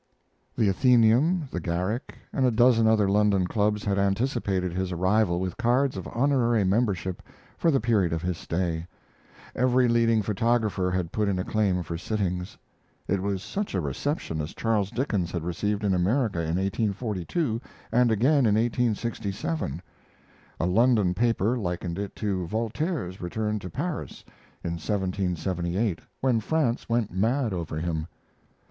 The Athenaeum, the Garrick, and a dozen other London clubs had anticipated his arrival with cards of honorary membership for the period of his stay. Every leading photographer had put in a claim for sittings. It was such a reception as Charles Dickens had received in America in 1842, and again in 1867. A London paper likened it to Voltaire's return to Paris in 1778, when France went mad over him.